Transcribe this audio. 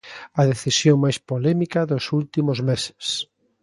A decisión máis polémica dos últimos meses.